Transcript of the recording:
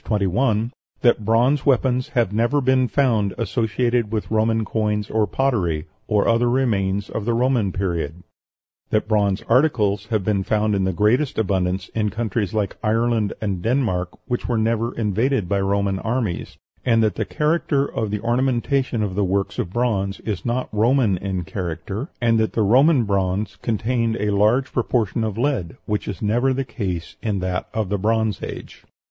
21) that bronze weapons have never been found associated with Roman coins or pottery, or other remains of the Roman Period; that bronze articles have been found in the greatest abundance in countries like Ireland and Denmark, which were never invaded by Roman armies; and that the character of the ornamentation of the works of bronze is not Roman in character, and that the Roman bronze contained a large proportion of lead, which is never the case in that of the Bronze Age.